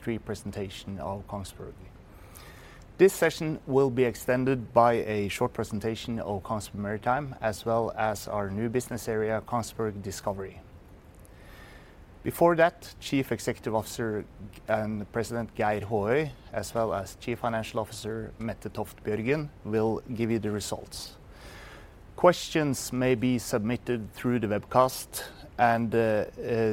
3 presentation of Kongsberg. This session will be extended by a short presentation of Kongsberg Maritime, as well as our new business area, Kongsberg Discovery. Before that, Chief Executive Officer and President Geir Håøy, as well as Chief Financial Officer, Mette Toft Bjørgen, will give you the results. Questions may be submitted through the webcast and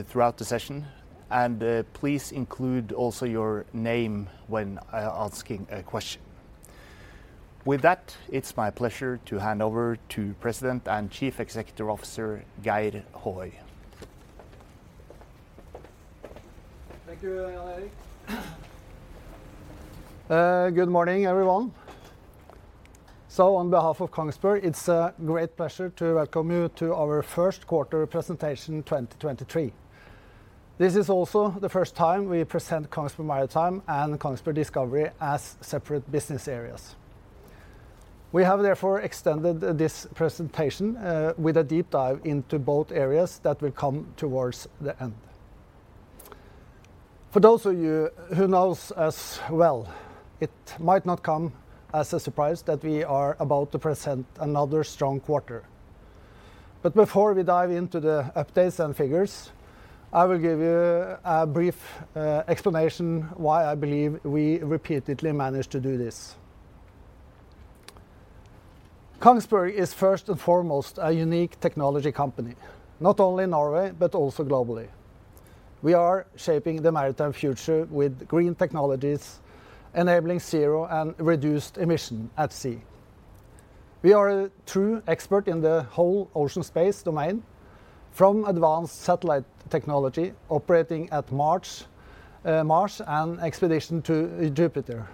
throughout the session, and please include also your name when asking a question. With that, it's my pleasure to hand over to President and Chief Executive Officer Geir Håøy. Thank you, Eirik. Good morning, everyone. On behalf of Kongsberg, it's a great pleasure to welcome you to our first quarter presentation 2023. This is also the first time we present Kongsberg Maritime and Kongsberg Discovery as separate business areas. We have therefore extended this presentation with a deep dive into both areas that will come towards the end. For those of you who knows us well, it might not come as a surprise that we are about to present another strong quarter. Before we dive into the updates and figures, I will give you a brief explanation why I believe we repeatedly manage to do this. Kongsberg is first and foremost a unique technology company, not only in Norway but also globally. We are shaping the maritime future with green technologies, enabling zero and reduced emission at sea. We are a true expert in the whole ocean space domain, from advanced satellite technology operating at Mars, Mars and expedition to Jupiter,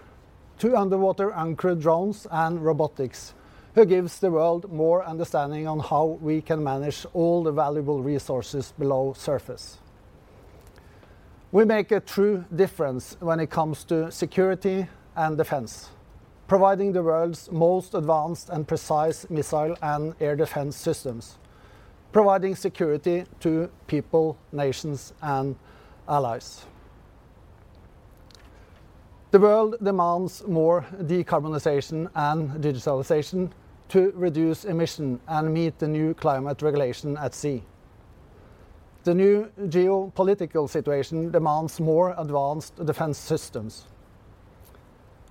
to underwater uncrewed drones and robotics, who gives the world more understanding on how we can manage all the valuable resources below surface. We make a true difference when it comes to security and defense, providing the world's most advanced and precise missile and air defense systems, providing security to people, nations, and allies. The world demands more decarbonization and digitalization to reduce emission and meet the new climate regulation at sea. The new geopolitical situation demands more advanced defense systems.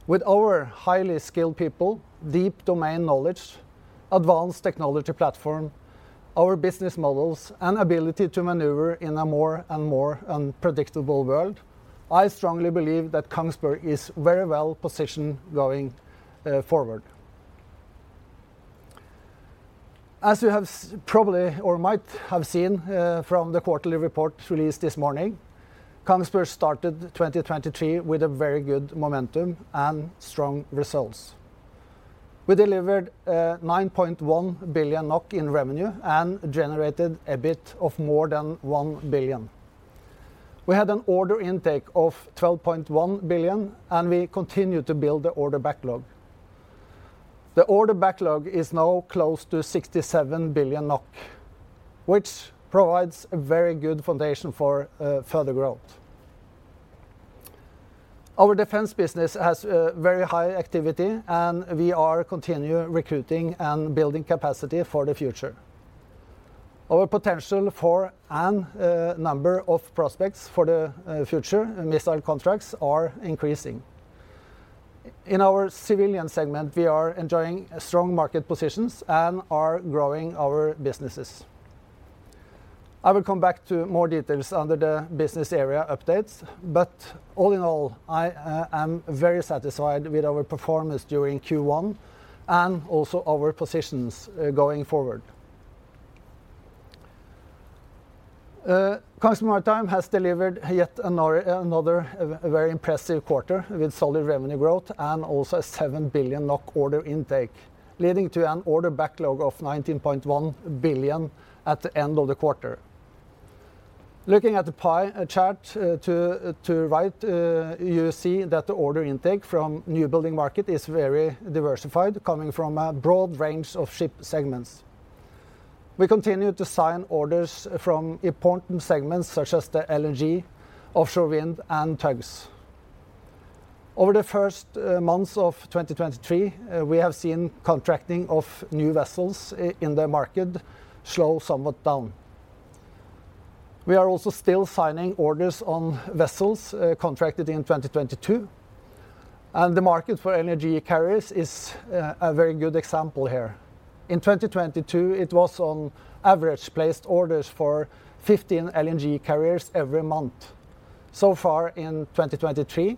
With our highly skilled people, deep domain knowledge, advanced technology platform, our business models, and ability to maneuver in a more and more unpredictable world, I strongly believe that Kongsberg is very well positioned going forward. As you have probably or might have seen, from the quarterly report released this morning, Kongsberg started 2023 with a very good momentum and strong results. We delivered 9.1 billion NOK in revenue and generated a bit of more than 1 billion NOK. We had an order intake of 12.1 billion NOK, and we continued to build the order backlog. The order backlog is now close to 67 billion NOK, which provides a very good foundation for further growth. Our defense business has very high activity, and we are continue recruiting and building capacity for the future. Our potential for and number of prospects for the future missile contracts are increasing. In our civilian segment, we are enjoying a strong market positions and are growing our businesses. I will come back to more details under the business area updates, but all in all, I am very satisfied with our performance during Q1 and also our positions going forward. Kongsberg Maritime has delivered yet another very impressive quarter with solid revenue growth and also a 7 billion NOK order intake, leading to an order backlog of 19.1 billion at the end of the quarter. Looking at the pie chart to right, you see that the order intake from new building market is very diversified, coming from a broad range of ship segments. We continue to sign orders from important segments such as the LNG, offshore wind, and tugs. Over the first months of 2023, we have seen contracting of new vessels in the market slow somewhat down. We are also still signing orders on vessels contracted in 2022, the market for LNG carriers is a very good example here. In 2022, it was on average placed orders for 15 LNG carriers every month. So far in 2023,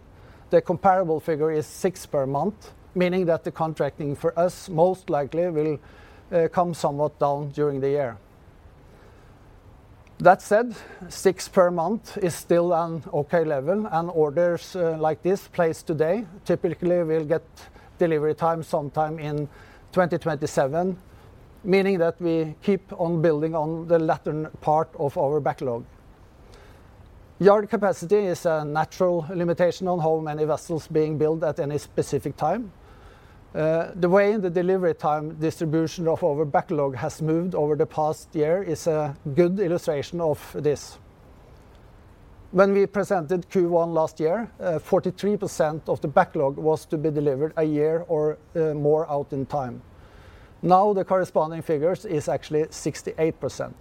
the comparable figure is 6 per month, meaning that the contracting for us most likely will come somewhat down during the year. That said, 6 per month is still an okay level, orders like this placed today typically will get delivery time sometime in 2027, meaning that we keep on building on the latter part of our backlog. Yard capacity is a natural limitation on how many vessels being built at any specific time. The way the delivery time distribution of our backlog has moved over the past year is a good illustration of this. When we presented Q1 last year, 43% of the backlog was to be delivered a year or more out in time. Now the corresponding figures is actually 68%.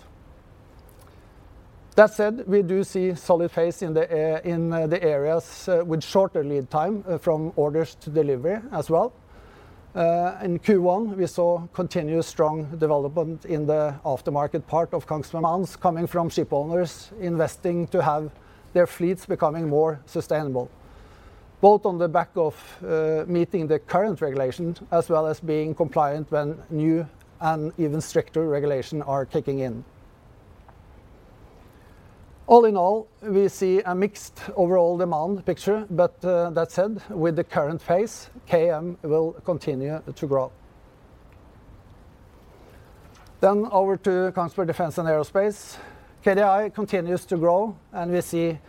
That said, we do see solid phase in the areas with shorter lead time from orders to delivery as well. In Q1, we saw continuous strong development in the aftermarket part of Kongsberg coming from ship owners investing to have their fleets becoming more sustainable, both on the back of meeting the current regulations as well as being compliant when new and even stricter regulation are kicking in. All in all, we see a mixed overall demand picture, but that said, with the current phase, KM will continue to grow. Over to Kongsberg Defence & Aerospace. KDA continues to grow, and we see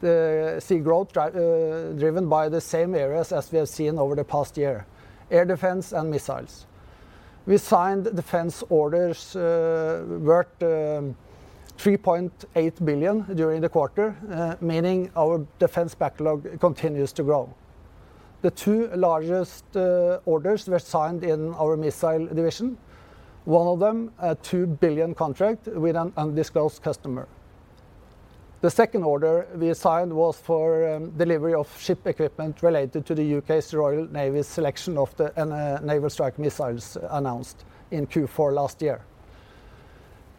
growth driven by the same areas as we have seen over the past year, air defense and missiles. We signed defense orders worth 3.8 billion during the quarter, meaning our defense backlog continues to grow. The two largest orders were signed in our Missile Systems division. One of them a 2 billion contract with an undisclosed customer. The second order we signed was for delivery of ship equipment related to the Royal Navy's selection of the Naval Strike Missile announced in Q4 last year.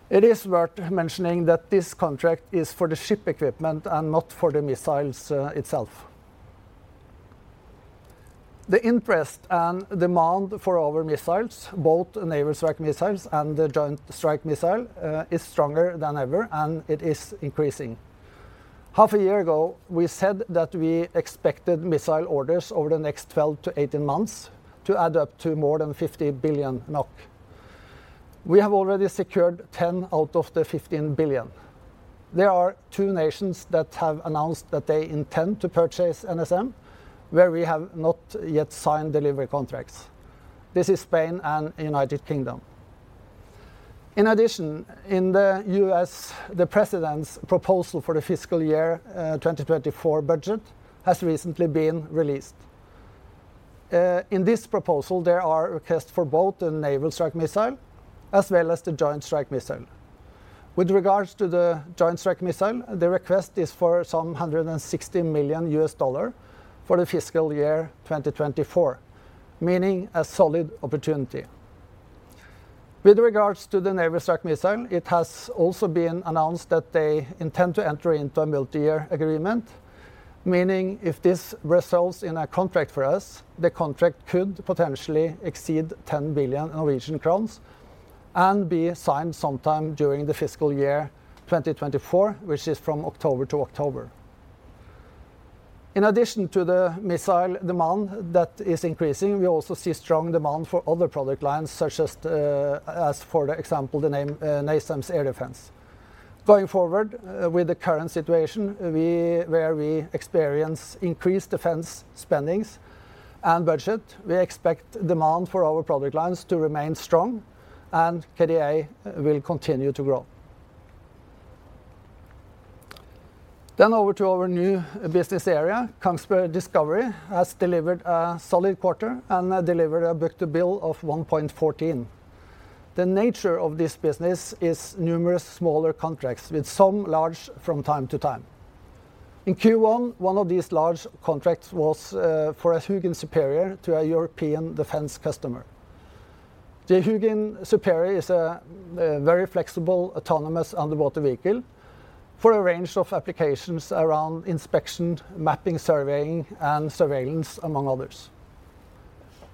It is worth mentioning that this contract is for the ship equipment and not for the missiles itself. The interest and demand for our missiles, both Naval Strike Missile and the Joint Strike Missile, is stronger than ever, and it is increasing. Half a year ago, we said that we expected missile orders over the next 12 to 18 months to add up to more than 50 billion NOK. We have already secured 10 out of the 15 billion. There are two nations that have announced that they intend to purchase NSM, where we have not yet signed delivery contracts. This is Spain and United Kingdom. In addition, in the U.S., the President's proposal for the fiscal year 2024 budget has recently been released. In this proposal, there are requests for both the Naval Strike Missile as well as the Joint Strike Missile. With regards to the Joint Strike Missile, the request is for $160 million for the fiscal year 2024, meaning a solid opportunity. With regards to the Naval Strike Missile, it has also been announced that they intend to enter into a multi-year agreement, meaning if this results in a contract for us, the contract could potentially exceed 10 billion Norwegian crowns and be signed sometime during the fiscal year 2024, which is from October to October. In addition to the missile demand that is increasing, we also see strong demand for other product lines, such as for example, the NASAMS Air Defense. Going forward, with the current situation, where we experience increased defense spendings and budget, we expect demand for our product lines to remain strong and KDA will continue to grow. Over to our new business area, Kongsberg Discovery has delivered a solid quarter and delivered a book-to-bill of 1.14. The nature of this business is numerous smaller contracts with some large from time to time. In Q1, one of these large contracts was for a HUGIN Superior to a European defense customer. The HUGIN Superior is a very flexible, autonomous underwater vehicle for a range of applications around inspection, mapping, surveying, and surveillance, among others.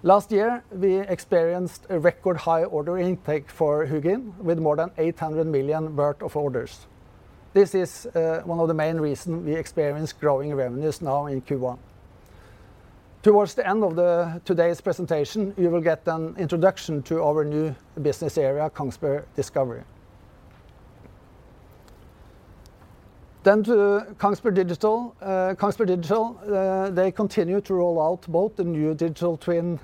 Last year, we experienced a record high order intake for HUGIN with more than 800 million worth of orders. This is one of the main reasons we experience growing revenues now in Q1. Towards the end of today's presentation, you will get an introduction to our new business area, Kongsberg Discovery. To Kongsberg Digital. Kongsberg Digital, they continue to roll out both the new Digital Twin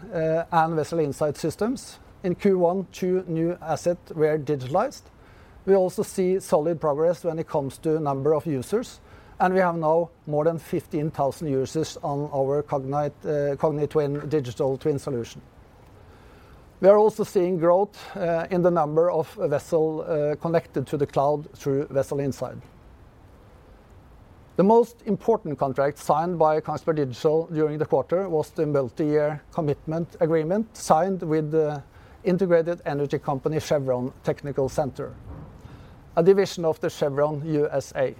and Vessel Insight systems. In Q1, two new asset were digitalized. We also see solid progress when it comes to number of users, and we have now more than 15,000 users on our Cognite Data Fusion digital twin solution. We are also seeing growth in the number of vessel connected to the cloud through Vessel Insight. The most important contract signed by Kongsberg Digital during the quarter was the multi-year commitment agreement signed with the integrated energy company Chevron Technical Center, a division of the Chevron U.S.A.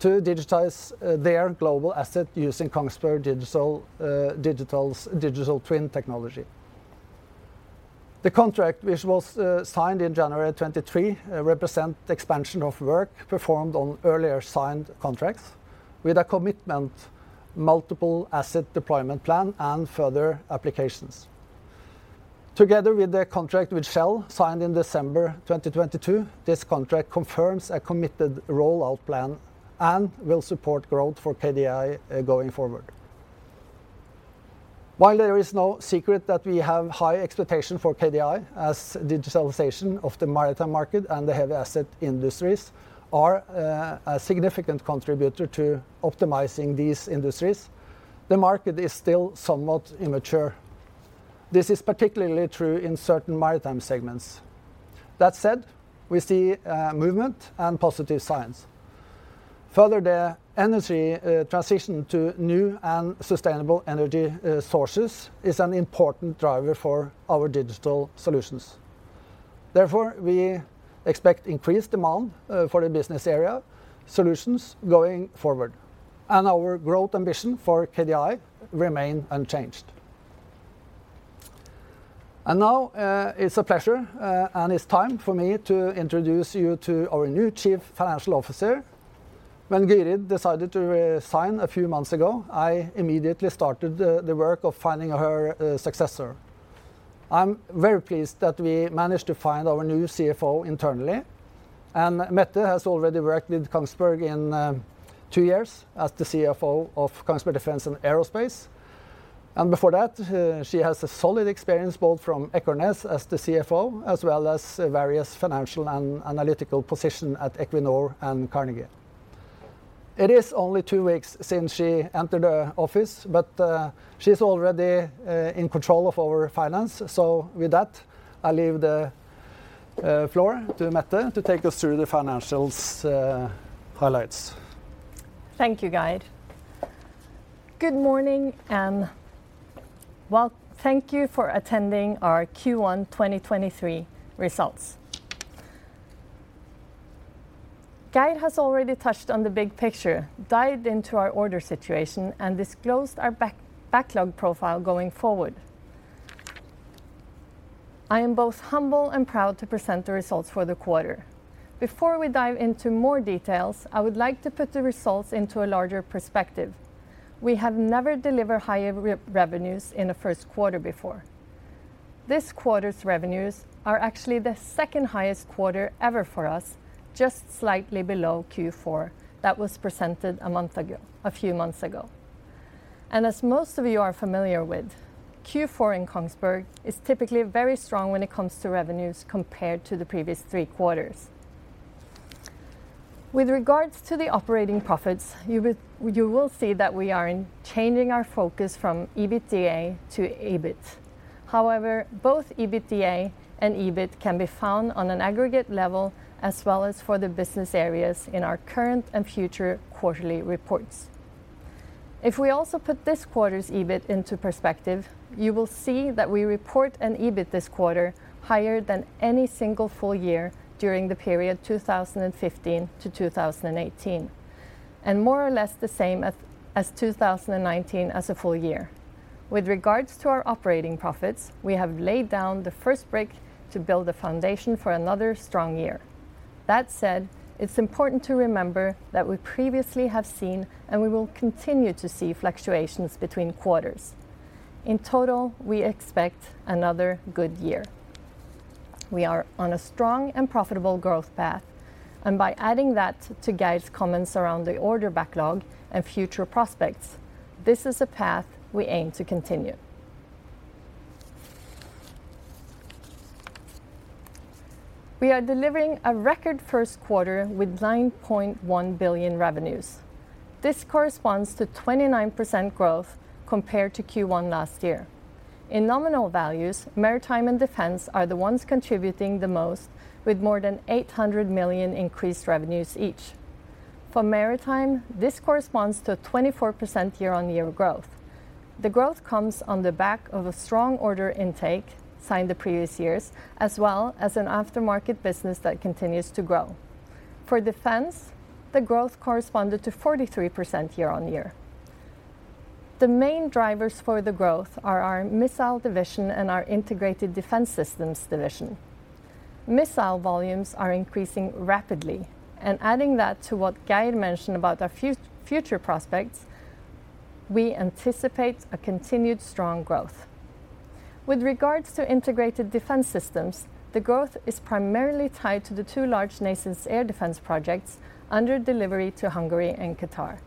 Inc., to digitize their global asset using Kongsberg Digital's Digital Twin technology. The contract, which was signed in January 2023, represent expansion of work performed on earlier signed contracts with a commitment multiple asset deployment plan and further applications. Together with the contract with Shell signed in December 2022, this contract confirms a committed rollout plan and will support growth for KDI going forward. While there is no secret that we have high expectation for KDI as digitalization of the maritime market and the heavy asset industries are a significant contributor to optimizing these industries, the market is still somewhat immature. This is particularly true in certain maritime segments. That said, we see movement and positive signs. Further, the energy transition to new and sustainable energy sources is an important driver for our digital solutions. Therefore, we expect increased demand for the business area solutions going forward, and our growth ambition for KDI remain unchanged. Now, it's a pleasure and it's time for me to introduce you to our new chief financial officer. When Girid decided to sign a few months ago, I immediately started the work of finding her successor. I'm very pleased that we managed to find our new CFO internally. Mette has already worked with Kongsberg in, two years as the CFO of Kongsberg Defence & Aerospace. Before that, she has a solid experience both from Ekornes as the CFO, as well as various financial analytical position at Equinor and Carnegie. It is only two weeks since she entered the office, but, she's already, in control of our finance. With that, I leave the floor to Mette to take us through the financials, highlights. Thank you, Geir. Good morning and thank you for attending our Q1 2023 results. Geir has already touched on the big picture, dived into our order situation, and disclosed our backlog profile going forward. I am both humble and proud to present the results for the quarter. Before we dive into more details, I would like to put the results into a larger perspective. We have never delivered higher revenues in the first quarter before. This quarter's revenues are actually the second highest quarter ever for us, just slightly below Q4 that was presented a few months ago. As most of you are familiar with, Q4 in Kongsberg is typically very strong when it comes to revenues compared to the previous three quarters. With regards to the operating profits, you will see that we are changing our focus from EBITDA to EBIT. However, both EBITDA and EBIT can be found on an aggregate level as well as for the business areas in our current and future quarterly reports. If we also put this quarter's EBIT into perspective, you will see that we report an EBIT this quarter higher than any single full year during the period 2015 to 2018, and more or less the same as 2019 as a full year. With regards to our operating profits, we have laid down the first brick to build a foundation for another strong year. That said, it's important to remember that we previously have seen, and we will continue to see fluctuations between quarters. In total, we expect another good year. We are on a strong and profitable growth path, and by adding that to Geir's comments around the order backlog and future prospects, this is a path we aim to continue. We are delivering a record first quarter with 9.1 billion revenues. This corresponds to 29% growth compared to Q1 last year. In nominal values, Maritime and Defense are the ones contributing the most with more than 800 million increased revenues each. For Maritime, this corresponds to a 24% year-on-year growth. The growth comes on the back of a strong order intake signed the previous years, as well as an aftermarket business that continues to grow. For Defense, the growth corresponded to 43% year-on-year. The main drivers for the growth are our Missile Systems division and our Integrated Defence Systems division. Missile volumes are increasing rapidly, adding that to what Geir mentioned about our future prospects, we anticipate a continued strong growth. With regards to Integrated Defence Systems, the growth is primarily tied to the two large nation's air defense projects under delivery to Hungary and Qatar.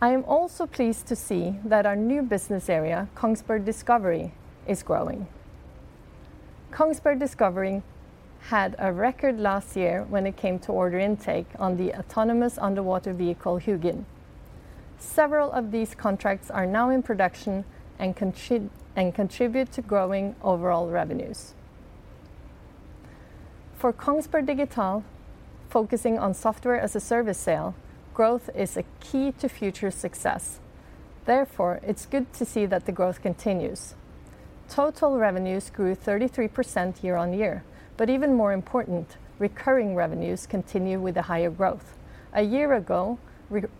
I am also pleased to see that our new business area, Kongsberg Discovery, is growing. Kongsberg Discovery had a record last year when it came to order intake on the autonomous underwater vehicle HUGIN. Several of these contracts are now in production and contribute to growing overall revenues. For Kongsberg Digital, focusing on software as a service sale, growth is a key to future success. It's good to see that the growth continues. Total revenues grew 33% year-on-year, even more important, recurring revenues continue with the higher growth. A year ago,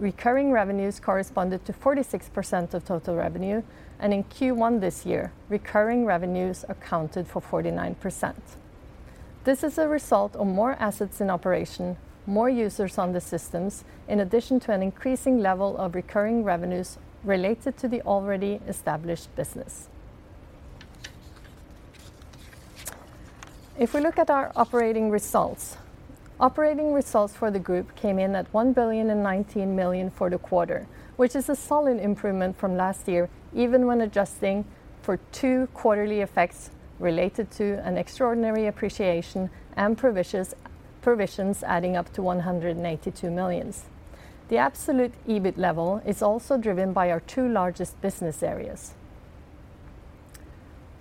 recurring revenues corresponded to 46% of total revenue, and in Q1 this year, recurring revenues accounted for 49%. This is a result of more assets in operation, more users on the systems, in addition to an increasing level of recurring revenues related to the already established business. If we look at our operating results, operating results for the group came in at 1,019 million for the quarter, which is a solid improvement from last year, even when adjusting for two quarterly effects related to an extraordinary appreciation and provisions adding up to 182 million. The absolute EBIT level is also driven by our two largest business areas.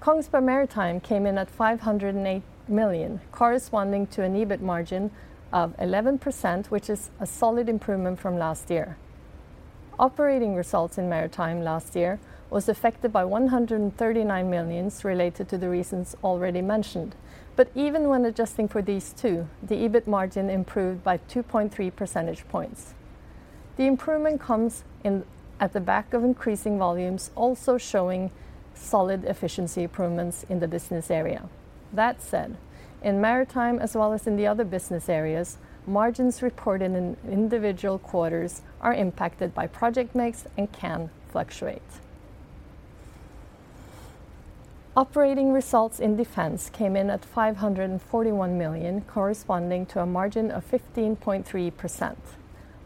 Kongsberg Maritime came in at 508 million, corresponding to an EBIT margin of 11%, which is a solid improvement from last year. Operating results in Kongsberg Maritime last year was affected by 139 million related to the reasons already mentioned. Even when adjusting for these two, the EBIT margin improved by 2.3 percentage points. The improvement comes at the back of increasing volumes, also showing solid efficiency improvements in the business area. That said, in Kongsberg Maritime as well as in the other business areas, margins reported in individual quarters are impacted by project mix and can fluctuate. Operating results in Kongsberg Defence & Aerospace came in at 541 million, corresponding to a margin of 15.3%.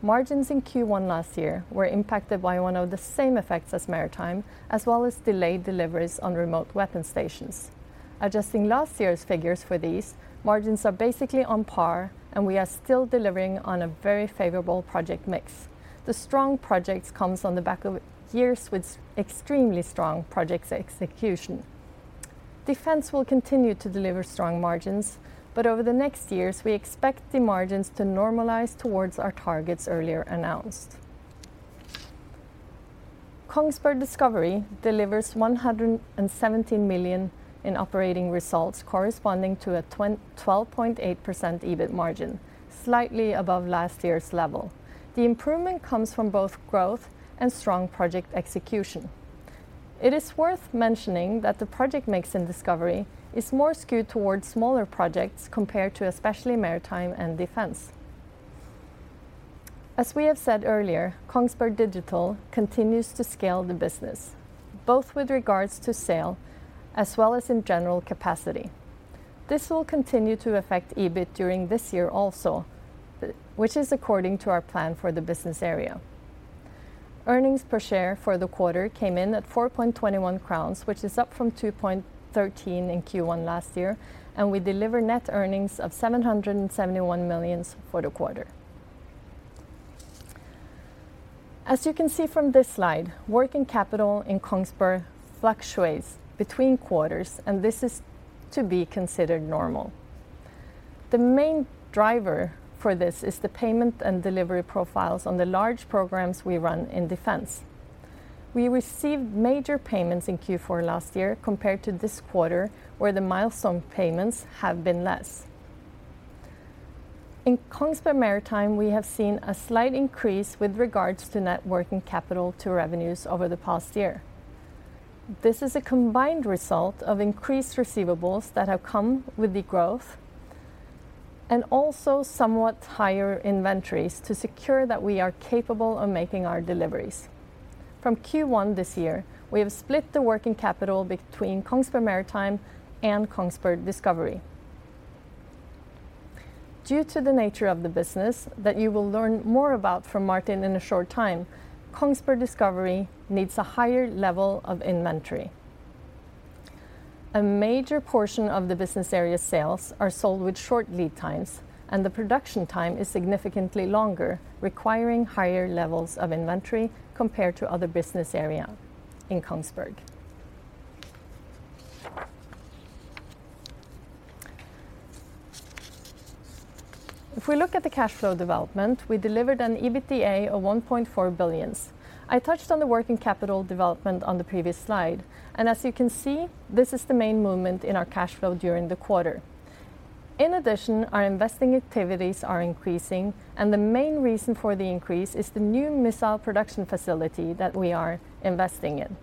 Margins in Q1 last year were impacted by one of the same effects as Kongsberg Maritime, as well as delayed deliveries on Remote Weapon Stations. Adjusting last year's figures for these, margins are basically on par, and we are still delivering on a very favorable project mix. The strong projects comes on the back of years with extremely strong project execution. Defense will continue to deliver strong margins. Over the next years, we expect the margins to normalize towards our targets earlier announced. Kongsberg Discovery delivers 117 million in operating results corresponding to a 12.8% EBIT margin, slightly above last year's level. The improvement comes from both growth and strong project execution. It is worth mentioning that the project mix in Discovery is more skewed towards smaller projects compared to especially Maritime and Defense. As we have said earlier, Kongsberg Digital continues to scale the business, both with regards to sale as well as in general capacity. This will continue to affect EBIT during this year also, which is according to our plan for the business area. Earnings per share for the quarter came in at 4.21 crowns, which is up from 2.13 in Q1 last year. We deliver net earnings of 771 million for the quarter. As you can see from this slide, working capital in Kongsberg fluctuates between quarters. This is to be considered normal. The main driver for this is the payment and delivery profiles on the large programs we run in Defense. We received major payments in Q4 last year compared to this quarter, where the milestone payments have been less. In Kongsberg Maritime, we have seen a slight increase with regards to net working capital to revenues over the past year. This is a combined result of increased receivables that have come with the growth and also somewhat higher inventories to secure that we are capable of making our deliveries. From Q1 this year, we have split the working capital between Kongsberg Maritime and Kongsberg Discovery. Due to the nature of the business that you will learn more about from Martin in a short time, Kongsberg Discovery needs a higher level of inventory. A major portion of the business area sales are sold with short lead times, and the production time is significantly longer, requiring higher levels of inventory compared to other business area in Kongsberg. If we look at the cash flow development, we delivered an EBITDA of 1.4 billion. I touched on the working capital development on the previous slide. As you can see, this is the main movement in our cash flow during the quarter. In addition, our investing activities are increasing, and the main reason for the increase is the new missile production facility that we are investing in.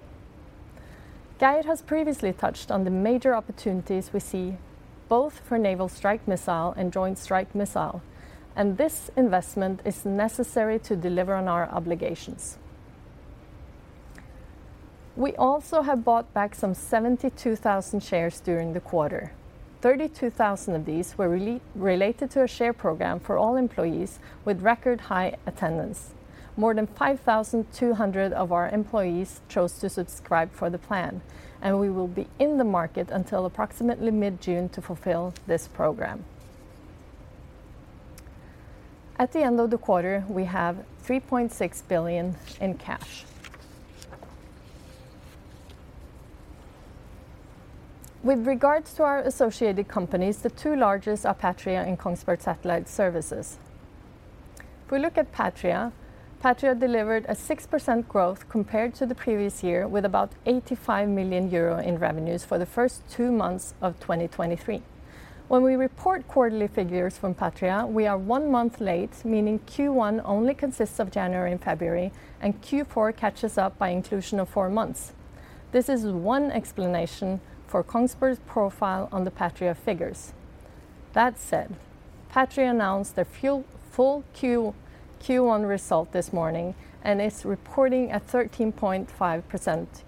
Geir has previously touched on the major opportunities we see both for Naval Strike Missile and Joint Strike Missile, this investment is necessary to deliver on our obligations. We also have bought back some 72,000 shares during the quarter. 32,000 of these were re-related to a share program for all employees with record high attendance. More than 5,200 of our employees chose to subscribe for the plan, we will be in the market until approximately mid-June to fulfill this program. At the end of the quarter, we have 3.6 billion in cash. With regards to our associated companies, the two largest are Patria and Kongsberg Satellite Services. If we look at Patria delivered a 6% growth compared to the previous year with about 85 million euro in revenues for the first two months of 2023. When we report quarterly figures from Patria, we are one month late, meaning Q1 only consists of January and February, and Q4 catches up by inclusion of four months. This is one explanation for Kongsberg's profile on the Patria figures. That said, Patria announced their full Q1 result this morning, and it's reporting a 13.5%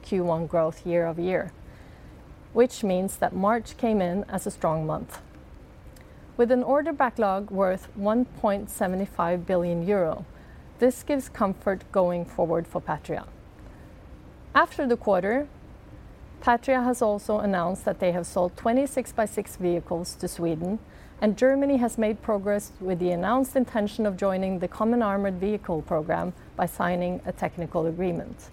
Q1 growth year-over-year, which means that March came in as a strong month. With an order backlog worth 1.75 billion euro, this gives comfort going forward for Patria. After the quarter, Patria has also announced that they have sold 26x6 vehicles to Sweden, and Germany has made progress with the announced intention of joining the common armored vehicle program by signing a technical agreement.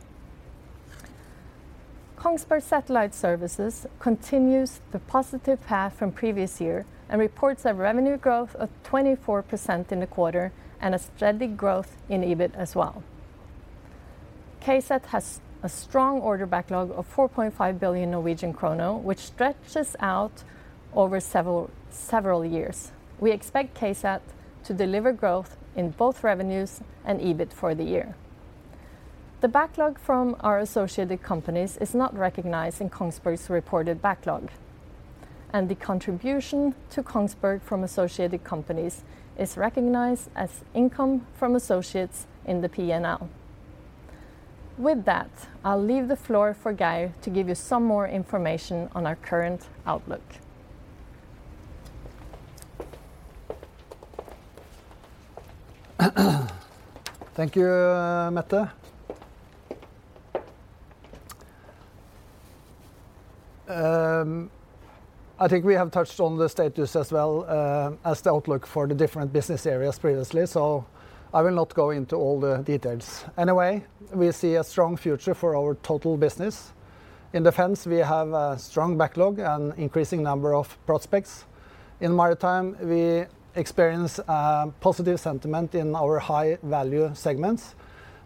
Kongsberg Satellite Services continues the positive path from previous year and reports a revenue growth of 24% in the quarter and a steady growth in EBIT as well. KSAT has a strong order backlog of 4.5 billion, which stretches out over several years. We expect KSAT to deliver growth in both revenues and EBIT for the year. The backlog from our associated companies is not recognized in Kongsberg's reported backlog, and the contribution to Kongsberg from associated companies is recognized as income from associates in the P&L. With that, I'll leave the floor for Geir to give you some more information on our current outlook. Thank you, Mette. I think we have touched on the status as well, as the outlook for the different business areas previously, I will not go into all the details. We see a strong future for our total business. In Defense, we have a strong backlog and increasing number of prospects. In Maritime, we experience positive sentiment in our high value segments,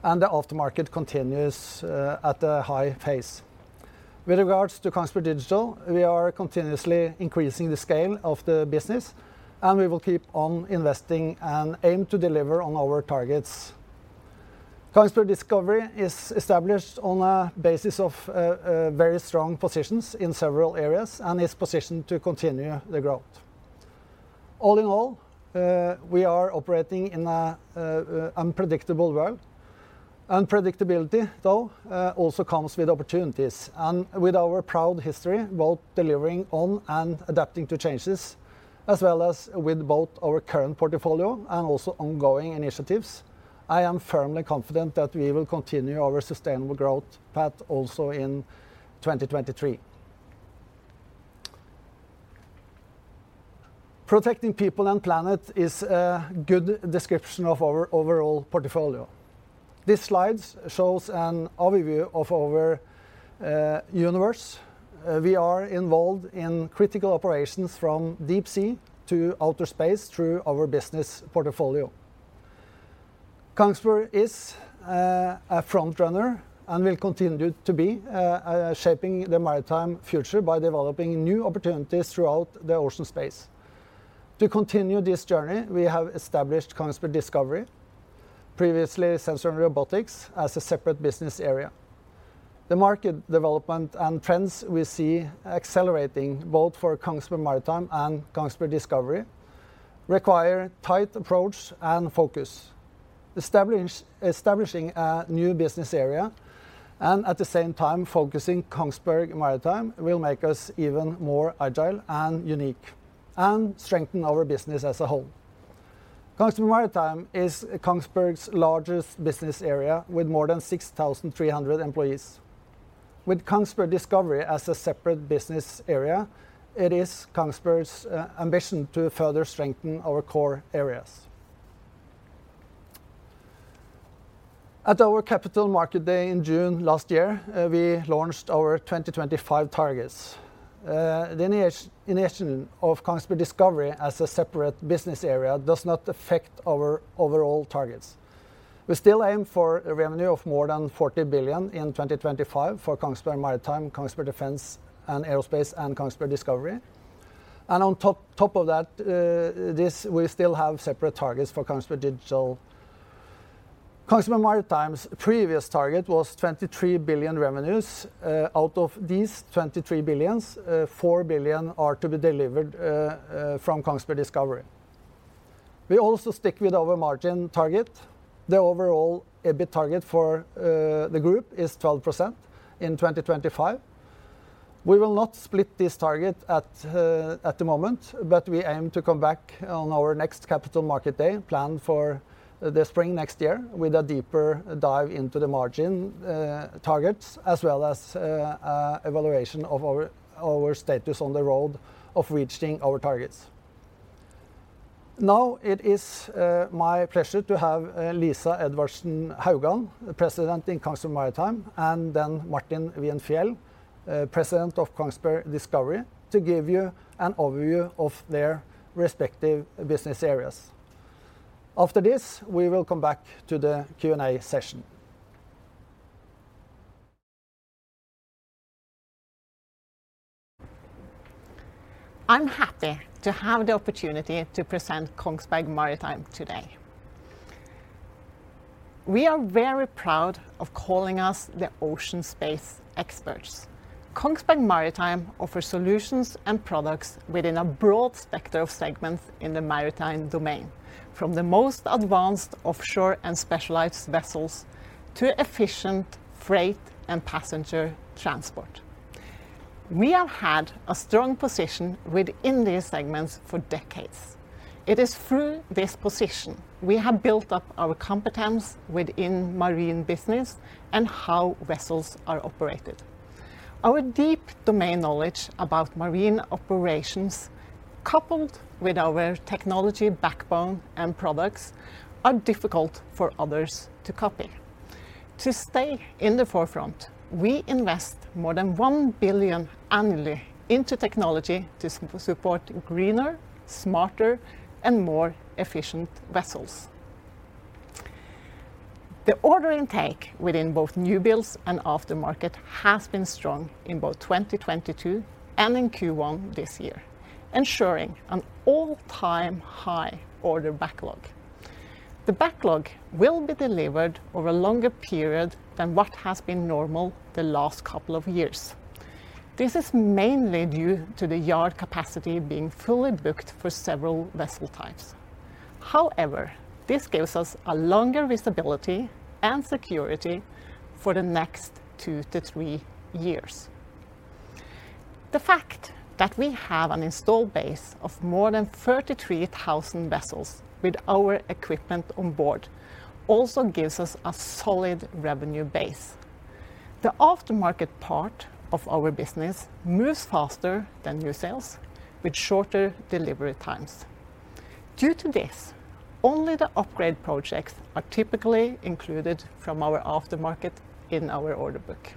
the after market continues at a high pace. With regards to Kongsberg Digital, we are continuously increasing the scale of the business, we will keep on investing and aim to deliver on our targets. Kongsberg Discovery is established on a basis of very strong positions in several areas and is positioned to continue the growth. All in all, we are operating in a unpredictable world. Unpredictability, though, also comes with opportunities, and with our proud history both delivering on and adapting to changes, as well as with both our current portfolio and also ongoing initiatives, I am firmly confident that we will continue our sustainable growth path also in 2023. Protecting people and planet is a good description of our overall portfolio. This slides shows an overview of our universe. We are involved in critical operations from deep sea to outer space through our business portfolio. Kongsberg is a frontrunner and will continue to be shaping the maritime future by developing new opportunities throughout the ocean space. To continue this journey, we have established Kongsberg Discovery, previously Sensors & Robotics, as a separate business area. The market development and trends we see accelerating both for Kongsberg Maritime and Kongsberg Discovery require tight approach and focus. Establishing a new business area and at the same time focusing Kongsberg Maritime will make us even more agile and unique and strengthen our business as a whole. Kongsberg Maritime is Kongsberg's largest business area with more than 6,300 employees. With Kongsberg Discovery as a separate business area, it is Kongsberg's ambition to further strengthen our core areas. At our Capital Markets Day in June last year, we launched our 2025 targets. The initiation of Kongsberg Discovery as a separate business area does not affect our overall targets. We still aim for a revenue of more than 40 billion in 2025 for Kongsberg Maritime, Kongsberg Defence & Aerospace, and Kongsberg Discovery. On top of that, this we still have separate targets for Kongsberg Digital. Kongsberg Maritime's previous target was 23 billion revenues. Out of these 23 billion, 4 billion are to be delivered from Kongsberg Discovery. We also stick with our margin target. The overall EBIT target for the group is 12% in 2025. We will not split this target at the moment, but we aim to come back on our next Capital Markets Day planned for the spring next year with a deeper dive into the margin targets as well as evaluation of our status on the road of reaching our targets. Now it is my pleasure to have Lisa Edvardsen Haugan, President in Kongsberg Maritime, and Martin Wien Fjell, President of Kongsberg Discovery, to give you an overview of their respective business areas. After this, we will come back to the Q&A session. I'm happy to have the opportunity to present Kongsberg Maritime today. We are very proud of calling us the ocean space experts. Kongsberg Maritime offers solutions and products within a broad spectrum of segments in the maritime domain, from the most advanced offshore and specialized vessels to efficient freight and passenger transport. We have had a strong position within these segments for decades. It is through this position we have built up our competence within marine business and how vessels are operated. Our deep domain knowledge about marine operations, coupled with our technology backbone and products, are difficult for others to copy. To stay in the forefront, we invest more than 1 billion annually into technology to support greener, smarter, and more efficient vessels. The order intake within both new builds and aftermarket has been strong in both 2022 and in Q1 this year, ensuring an all-time high order backlog. The backlog will be delivered over a longer period than what has been normal the last couple of years. This is mainly due to the yard capacity being fully booked for several vessel types. This gives us a longer visibility and security for the next two to three years. The fact that we have an installed base of more than 33,000 vessels with our equipment on board also gives us a solid revenue base. The aftermarket part of our business moves faster than new sales, with shorter delivery times. Due to this, only the upgrade projects are typically included from our aftermarket in our order book.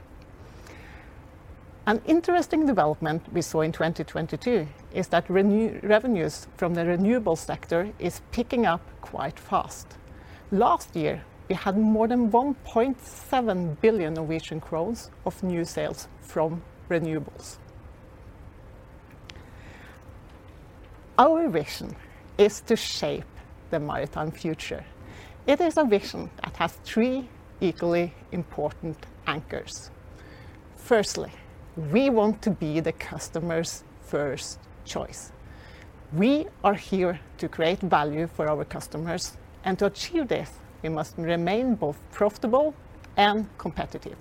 An interesting development we saw in 2022 is that revenues from the renewable sector is picking up quite fast. Last year, we had more than 1.7 billion Norwegian crowns of new sales from renewables. Our vision is to shape the maritime future. It is a vision that has three equally important anchors. Firstly, we want to be the customer's first choice. We are here to create value for our customers, to achieve this, we must remain both profitable and competitive.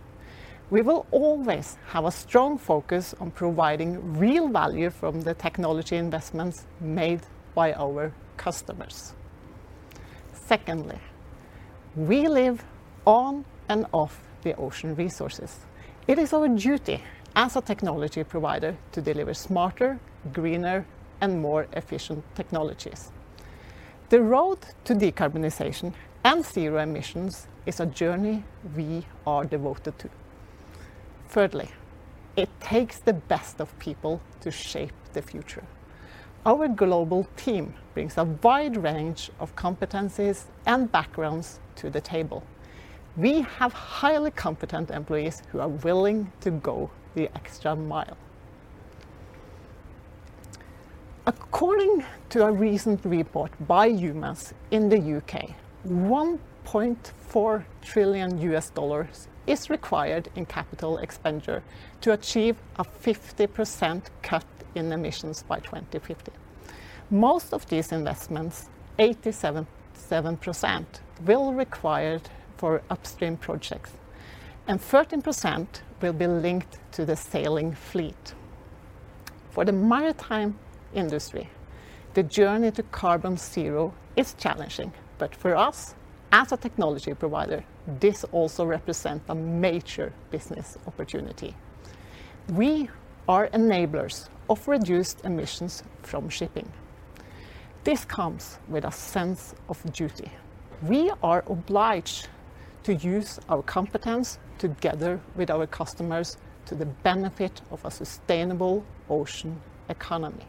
We will always have a strong focus on providing real value from the technology investments made by our customers. Secondly, we live on and off the ocean resources. It is our duty as a technology provider to deliver smarter, greener, and more efficient technologies. The road to decarbonization and zero emissions is a journey we are devoted to. Thirdly, it takes the best of people to shape the future. Our global team brings a wide range of competencies and backgrounds to the table. We have highly competent employees who are willing to go the extra mile. According to a recent report by UMAS in the U.K., $1.4 trillion is required in capital expenditure to achieve a 50% cut in emissions by 2050. Most of these investments, 87-7%, will required for upstream projects, and 13% will be linked to the sailing fleet. For the maritime industry, the journey to carbon zero is challenging, but for us, as a technology provider, this also represent a major business opportunity. We are enablers of reduced emissions from shipping. This comes with a sense of duty. We are obliged to use our competence together with our customers to the benefit of a sustainable ocean economy.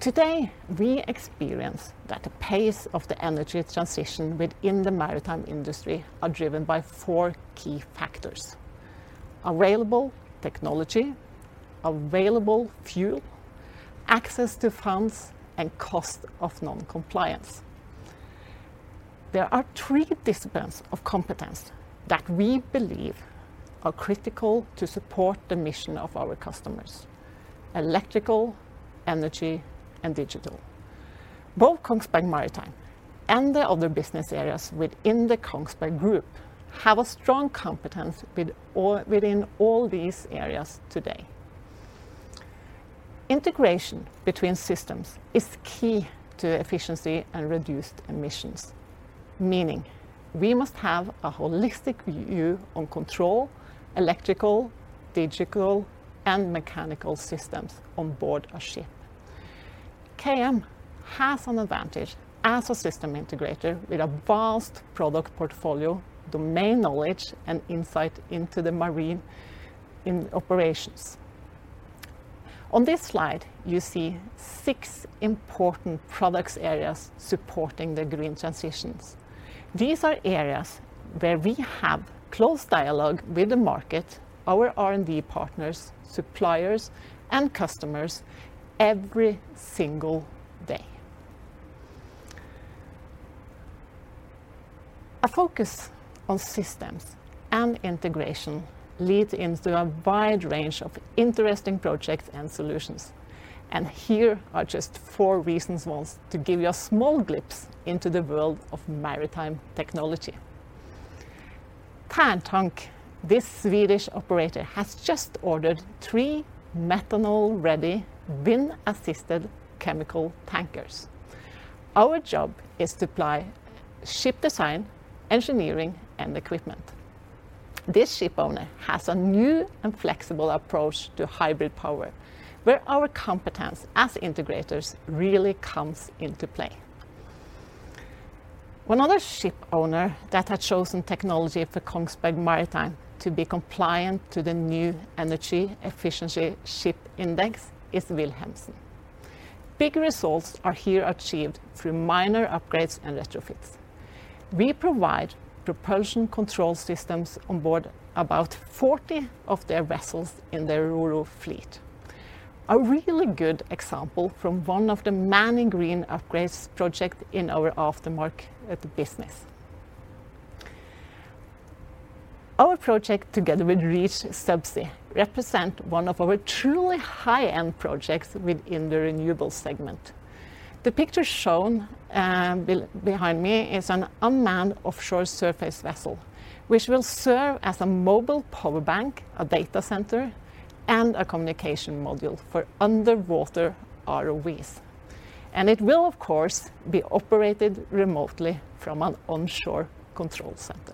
Today, we experience that the pace of the energy transition within the maritime industry are driven by four key factors: available technology, available fuel, access to funds, and cost of non-compliance. There are three disciplines of competence that we believe are critical to support the mission of our customers. Electrical, energy, and digital. Both Kongsberg Maritime and the other business areas within Kongsberg Gruppen have a strong competence within all these areas today. Integration between systems is key to efficiency and reduced emissions, meaning we must have a holistic view on control, electrical, digital, and mechanical systems on board a ship. KM has an advantage as a system integrator with a vast product portfolio, domain knowledge, and insight into the marine operations. On this slide, you see six important product areas supporting the green transitions. These are areas where we have close dialogue with the market, our R&D partners, suppliers, and customers every single day. A focus on systems and integration lead into a wide range of interesting projects and solutions. Here are just four reasons ones to give you a small glimpse into the world of maritime technology. Tärntank, this Swedish operator, has just ordered 3 methanol-ready wind-assisted chemical tankers. Our job is to apply ship design, engineering, and equipment. This ship owner has a new and flexible approach to hybrid power, where our competence as integrators really comes into play. 1 other ship owner that had chosen technology for Kongsberg Maritime to be compliant to the new Energy Efficiency Ship Index is Wilhelmsen. Big results are here achieved through minor upgrades and retrofits. We provide propulsion control systems on board about 40 of their vessels in their Ro-Ro fleet. A really good example from one of the many green upgrades project in our aftermarket business. Our project, together with Reach Subsea, represent one of our truly high-end projects within the renewable segment. The picture shown, behind me is an unmanned offshore surface vessel, which will serve as a mobile power bank, a data center, and a communication module for underwater ROVs. It will, of course, be operated remotely from an onshore control center.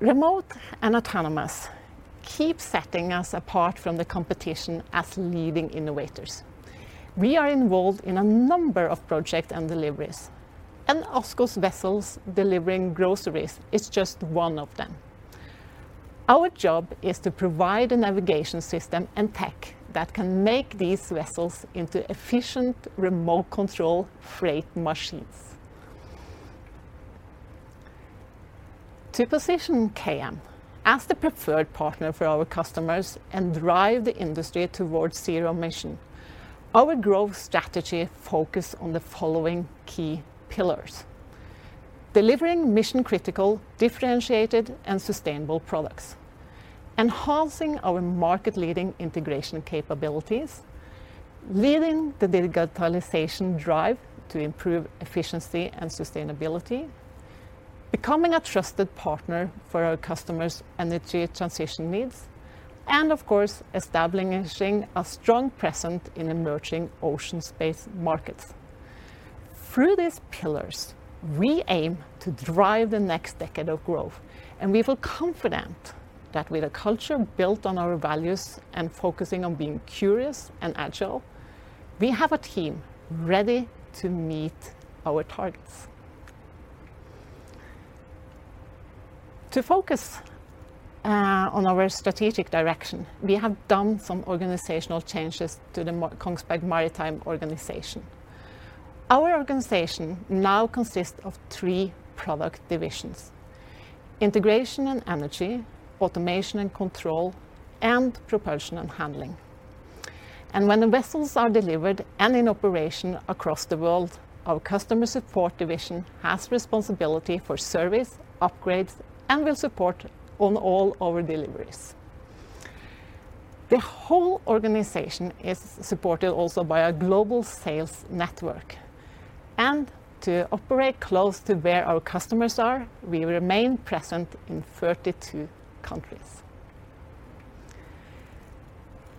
Remote and autonomous keep setting us apart from the competition as leading innovators. We are involved in a number of projects and deliveries, ASKO's vessels delivering groceries is just one of them. Our job is to provide a navigation system and tech that can make these vessels into efficient, remote control freight machines. To position KM as the preferred partner for our customers and drive the industry towards zero emission, our growth strategy focus on the following key pillars: delivering mission-critical, differentiated, and sustainable products; enhancing our market-leading integration capabilities; leading the digitalization drive to improve efficiency and sustainability; becoming a trusted partner for our customers' energy transition needs; and of course, establishing a strong presence in emerging ocean space markets. Through these pillars, we aim to drive the next decade of growth, and we feel confident that with a culture built on our values and focusing on being curious and agile, we have a team ready to meet our targets. To focus on our strategic direction, we have done some organizational changes to the Kongsberg Maritime organization. Our organization now consists of three product divisions: integration and energy, automation and control, and propulsion and handling. When the vessels are delivered and in operation across the world, our customer support division has responsibility for service, upgrades, and will support on all our deliveries. The whole organization is supported also by a global sales network. To operate close to where our customers are, we remain present in 32 countries.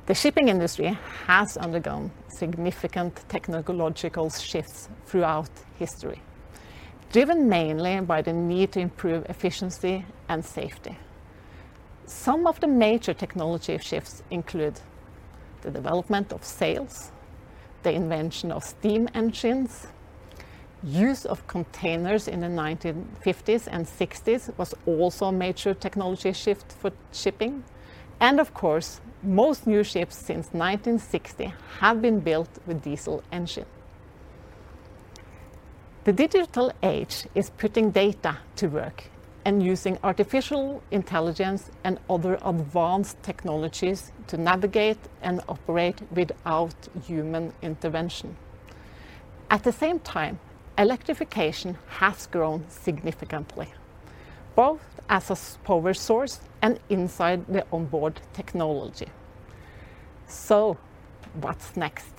The shipping industry has undergone significant technological shifts throughout history, driven mainly by the need to improve efficiency and safety. Some of the major technology shifts include the development of sails, the invention of steam engines. Use of containers in the 1950s and 1960s was also a major technology shift for shipping. Of course, most new ships since 1960 have been built with diesel engine. The digital age is putting data to work and using artificial intelligence and other advanced technologies to navigate and operate without human intervention. At the same time, electrification has grown significantly, both as a power source and inside the onboard technology. What's next?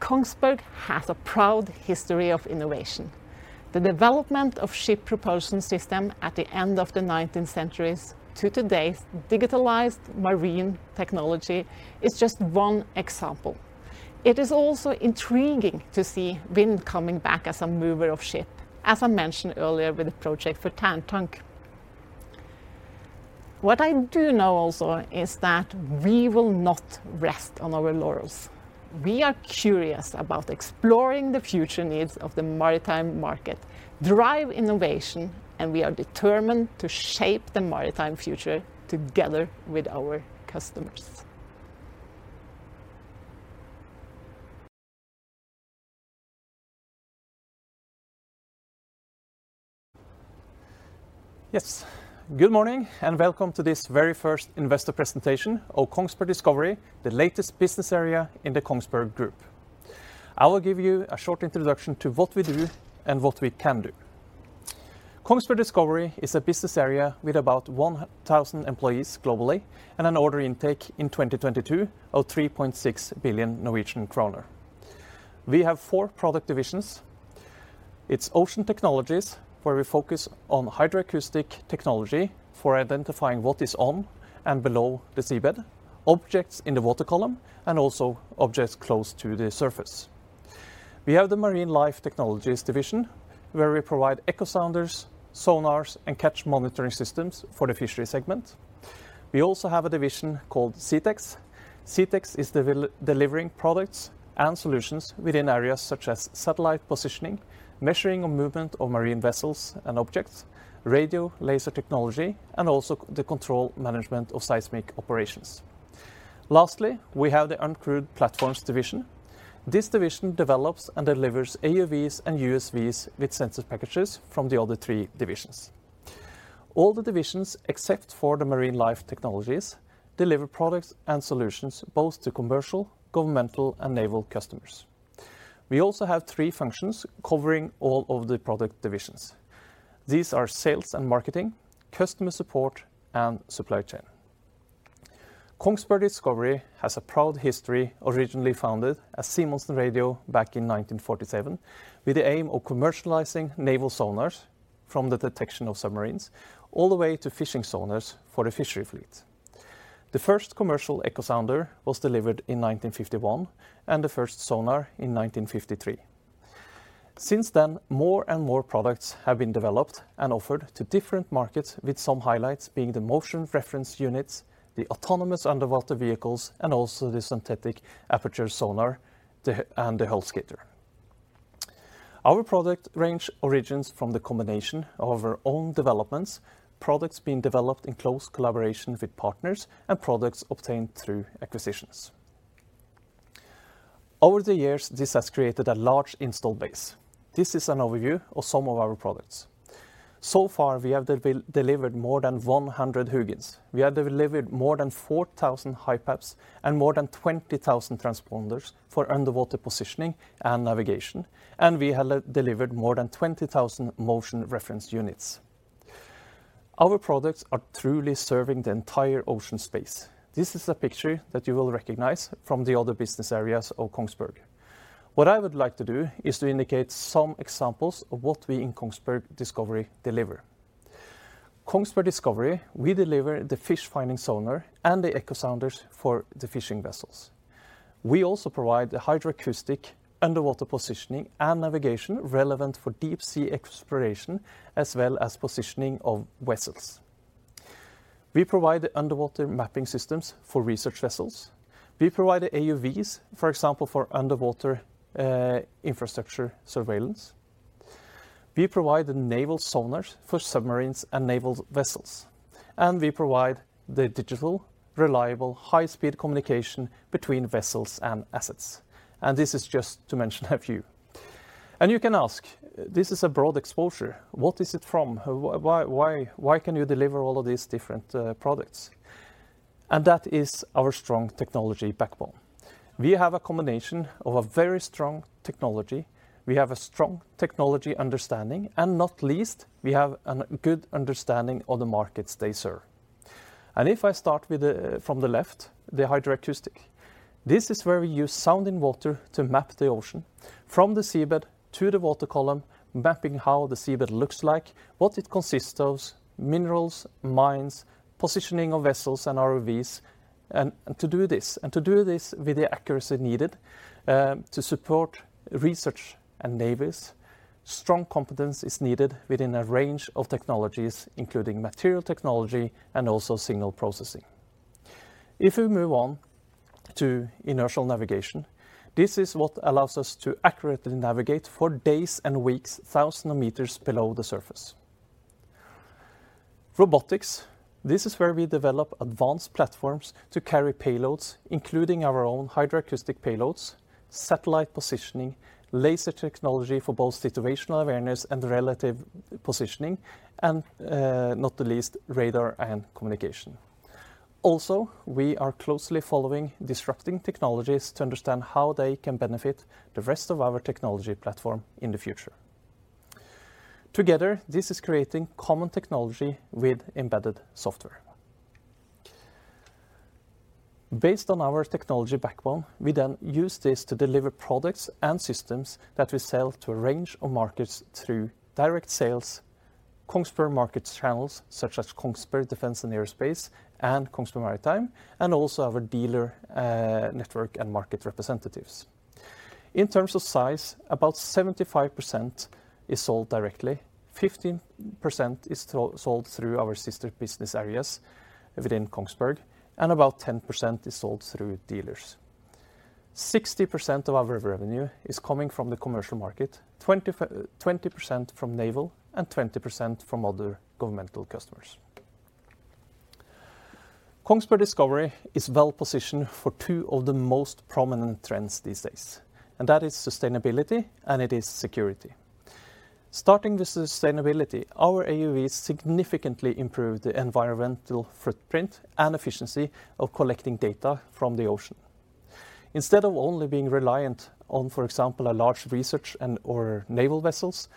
Kongsberg has a proud history of innovation. The development of ship propulsion system at the end of the 19th centuries to today's digitalized marine technology is just one example. It is also intriguing to see wind coming back as a mover of ship, as I mentioned earlier with the project for Tärntank. What I do know also is that we will not rest on our laurels. We are curious about exploring the future needs of the maritime market, drive innovation, and we are determined to shape the maritime future together with our customers. Yes. Good morning, and welcome to this very first investor presentation of Kongsberg Discovery, the latest business area in the Kongsberg Group. I will give you a short introduction to what we do and what we can do. Kongsberg Discovery is a business area with about 100,000 employees globally and an order intake in 2022 of 3.6 billion Norwegian kroner. We have four product divisions. It's Ocean Technologies, where we focus on hydroacoustic technology for identifying what is on and below the seabed, objects in the water column, and also objects close to the surface. We have the Marine Life Technologies division, where we provide echo sounders, sonars, and catch monitoring systems for the fishery segment. We also have a division called Seatex. Seatex is delivering products and solutions within areas such as satellite positioning, measuring of movement of marine vessels and objects, radio, laser technology, and also the control management of seismic operations. Lastly, we have the Uncrewed Platforms division. This division develops and delivers AUVs and USVs with sensor packages from the other three divisions. All the divisions, except for the Marine Life Technologies, deliver products and solutions both to commercial, governmental, and naval customers. We also have three functions covering all of the product divisions. These are sales and marketing, customer support, and supply chain. Kongsberg Discovery has a proud history, originally founded as Simonsen Radio back in 1947, with the aim of commercializing naval sonars from the detection of submarines, all the way to fishing sonars for the fishery fleet. The first commercial echo sounder was delivered in 1951, and the first sonar in 1953. More and more products have been developed and offered to different markets with some highlights being the Motion Reference Units, the autonomous underwater vehicles, and the hull skitter. Our product range origins from the combination of our own developments, products being developed in close collaboration with partners, and products obtained through acquisitions. Over the years, this has created a large install base. This is an overview of some of our products. We have delivered more than 100 HUGINs. We have delivered more than 4,000 HiPAPs and more than 20,000 transponders for underwater positioning and navigation, and we have delivered more than 20,000 Motion Reference Units. Our products are truly serving the entire ocean space. This is a picture that you will recognize from the other business areas of Kongsberg. What I would like to do is to indicate some examples of what we in Kongsberg Discovery deliver. Kongsberg Discovery, we deliver the fish finding sonar and the echo sounders for the fishing vessels. We also provide the hydroacoustic underwater positioning and navigation relevant for deep sea exploration, as well as positioning of vessels. We provide the underwater mapping systems for research vessels. We provide the AUVs, for example, for underwater infrastructure surveillance. We provide the naval sonars for submarines and naval vessels, and we provide the digital, reliable, high-speed communication between vessels and assets. This is just to mention a few. You can ask, this is a broad exposure, what is it from? Why can you deliver all of these different products? That is our strong technology backbone. We have a combination of a very strong technology. We have a strong technology understanding, not least, we have a good understanding of the markets they serve. If I start from the left, the hydroacoustic, this is where we use sound in water to map the ocean from the seabed to the water column, mapping how the seabed looks like, what it consists of, minerals, mines, positioning of vessels and ROVs. To do this, and to do this with the accuracy needed to support research and navies, strong competence is needed within a range of technologies, including material technology and also signal processing. If we move on to inertial navigation, this is what allows us to accurately navigate for days and weeks, thousands of meters below the surface. Robotics, this is where we develop advanced platforms to carry payloads, including our own hydroacoustic payloads, satellite positioning, laser technology for both situational awareness and relative positioning, and not the least, radar and communication. We are closely following disrupting technologies to understand how they can benefit the rest of our technology platform in the future. This is creating common technology with embedded software. Based on our technology backbone, we use this to deliver products and systems that we sell to a range of markets through direct sales, Kongsberg markets channels, such as Kongsberg Defence & Aerospace and Kongsberg Maritime, and also our dealer network and market representatives. In terms of size, about 75% is sold directly, 15% is sold through our sister business areas within Kongsberg, and about 10% is sold through dealers. 60% of our revenue is coming from the commercial market, 20% from naval, and 20% from other governmental customers. Kongsberg Discovery is well-positioned for two of the most prominent trends these days, that is sustainability, and it is security. Starting with sustainability, our AUVs significantly improve the environmental footprint and efficiency of collecting data from the ocean. Instead of only being reliant on, for example, a large research and/or naval vessels,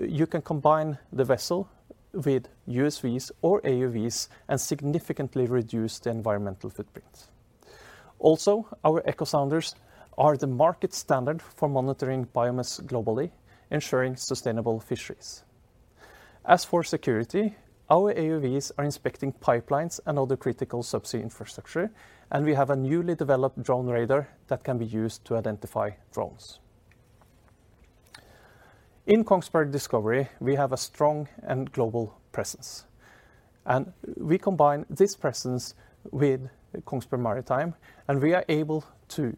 you can combine the vessel with USVs or AUVs and significantly reduce the environmental footprint. Our echo sounders are the market standard for monitoring biomass globally, ensuring sustainable fisheries. As for security, our AUVs are inspecting pipelines and other critical subsea infrastructure, we have a newly developed drone radar that can be used to identify drones. In Kongsberg Discovery, we have a strong and global presence, and we combine this presence with Kongsberg Maritime, and we are able to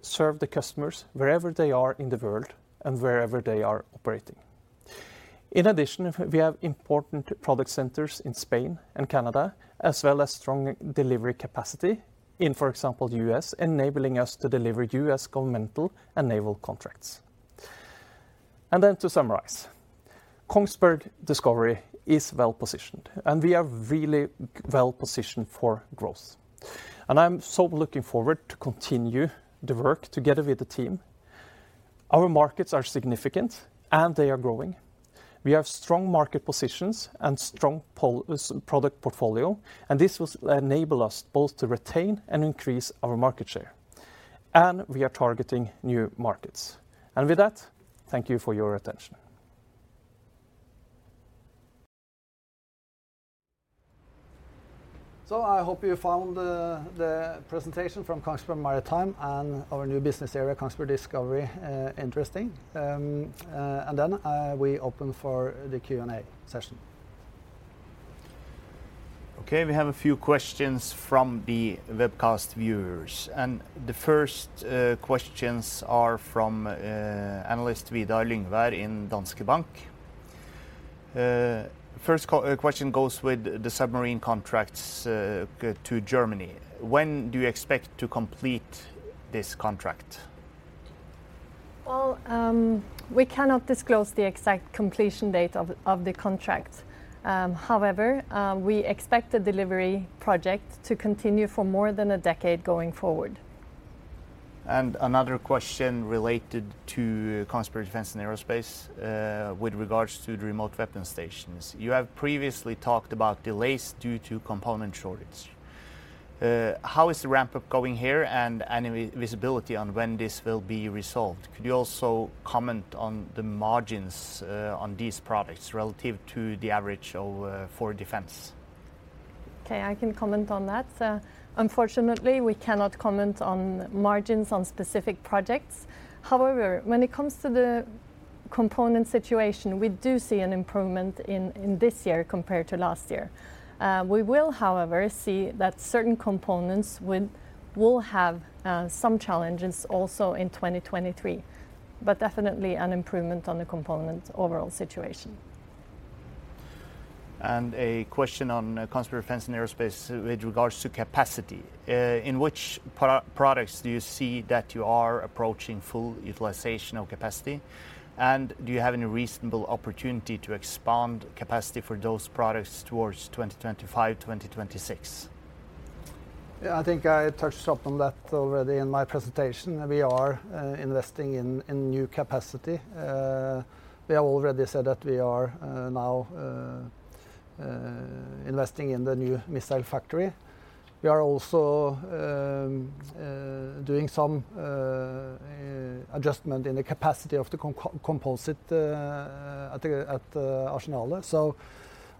serve the customers wherever they are in the world and wherever they are operating. In addition, we have important product centers in Spain and Canada, as well as strong delivery capacity in, for example, U.S., enabling us to deliver U.S. governmental and naval contracts. To summarize, Kongsberg Discovery is well-positioned, and we are really well-positioned for growth, and I'm so looking forward to continue the work together with the team. Our markets are significant, and they are growing. We have strong market positions and strong product portfolio, and this will enable us both to retain and increase our market share, and we are targeting new markets. With that, thank you for your attention. I hope you found the presentation from Kongsberg Maritime and our new business area, Kongsberg Discovery, interesting. We open for the Q&A session. Okay, we have a few questions from the webcast viewers. The first questions are from analyst Vidar Lyngvær in Danske Bank. First question goes with the submarine contracts to Germany. When do you expect to complete this contract? We cannot disclose the exact completion date of the contract. However, we expect the delivery project to continue for more than a decade going forward. Another question related to Kongsberg Defence & Aerospace, with regards to the Remote Weapon Stations. You have previously talked about delays due to component shortage. How is the ramp-up going here and any visibility on when this will be resolved? Could you also comment on the margins on these products relative to the average of for Defence? Okay, I can comment on that. Unfortunately, we cannot comment on margins on specific projects. However, when it comes to the component situation, we do see an improvement in this year compared to last year. We will, however, see that certain components will have some challenges also in 2023, but definitely an improvement on the component overall situation. A question on Kongsberg Defence & Aerospace with regards to capacity. In which products do you see that you are approaching full utilization of capacity? Do you have any reasonable opportunity to expand capacity for those products towards 2025, 2026? Yeah, I think I touched upon that already in my presentation. We are investing in new capacity. We have already said that we are now investing in the new missile factory. We are also doing some adjustment in the capacity of the composite at the Arsenalet.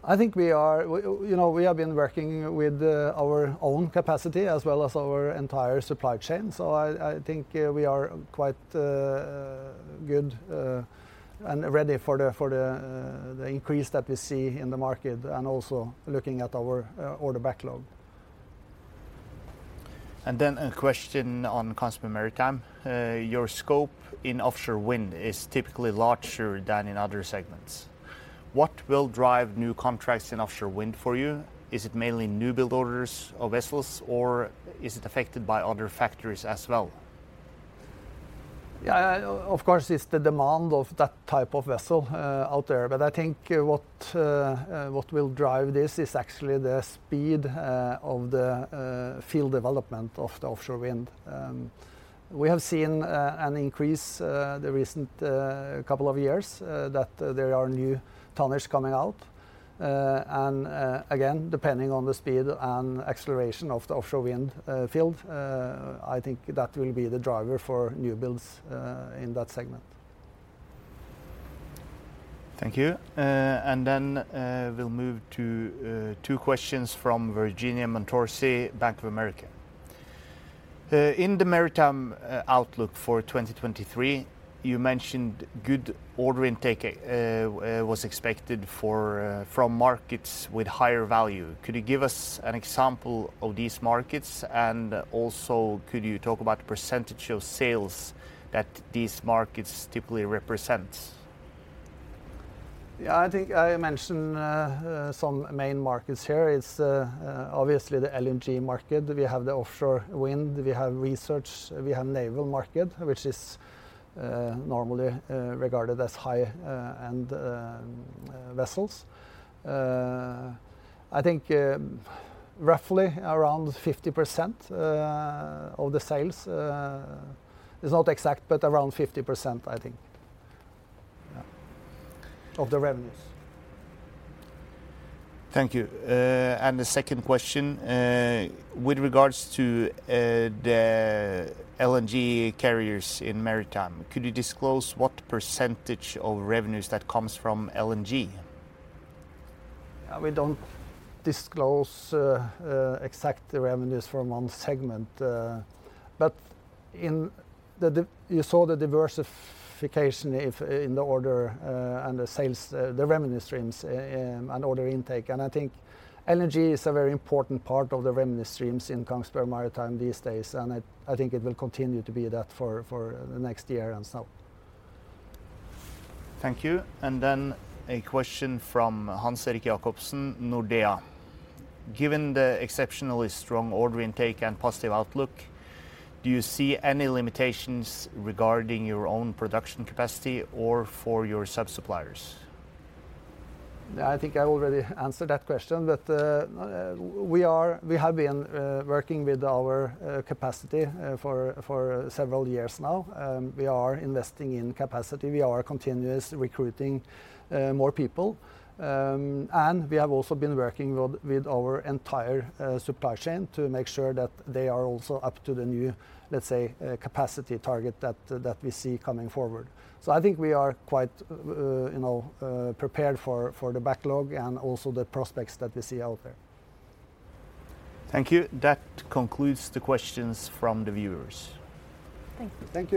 I think we are, you know, we have been working with our own capacity as well as our entire supply chain. I think we are quite good and ready for the increase that we see in the market and also looking at our order backlog. A question on Kongsberg Maritime. Your scope in offshore wind is typically larger than in other segments. What will drive new contracts in offshore wind for you? Is it mainly new build orders of vessels, or is it affected by other factors as well? Of course, it's the demand of that type of vessel out there. I think what will drive this is actually the speed of the field development of the offshore wind. We have seen an increase the recent couple of years that there are new tonnage coming out. Again, depending on the speed and acceleration of the offshore wind field, I think that will be the driver for new builds in that segment. Thank you. We'll move to 2 questions from Virginia Montorsi, Bank of America. In the Maritime outlook for 2023, you mentioned good order intake was expected from markets with higher value. Could you give us an example of these markets, and also could you talk about the percentage of sales that these markets typically represent? I think I mentioned some main markets here. It's obviously the LNG market. We have the offshore wind, we have research, we have naval market, which is normally regarded as high end vessels. I think roughly around 50% of the sales. It's not exact, but around 50%, I think. Of the revenues. Thank you. The second question, with regards to, the LNG carriers in Maritime, could you disclose what percentage of revenues that comes from LNG? We don't disclose exact revenues from one segment. But in the you saw the diversification if, in the order, and the sales, the revenue streams, and order intake. I think LNG is a very important part of the revenue streams in Kongsberg Maritime these days, and I think it will continue to be that for the next year and so. Thank you. A question from Hans-Erik Jacobsen, Nordea. Given the exceptionally strong order intake and positive outlook, do you see any limitations regarding your own production capacity or for your sub-suppliers? I think I already answered that question. We are, we have been working with our capacity for several years now. We are investing in capacity. We are continuous recruiting more people. We have also been working with our entire supply chain to make sure that they are also up to the new, let's say, capacity target that we see coming forward. I think we are quite, you know, prepared for the backlog and also the prospects that we see out there. Thank you. That concludes the questions from the viewers. Thank you.